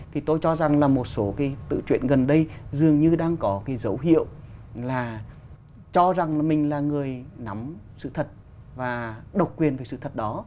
thì tôi cho rằng là một số cái tự truyện gần đây dường như đang có cái dấu hiệu là cho rằng là mình là người nắm sự thật và độc quyền về sự thật đó